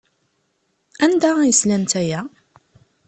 Anda ay slant aya?